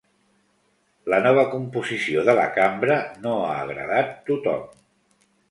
La nova composició de la cambra no ha agradat tothom.